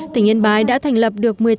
tỉnh yên bái đã thành lập được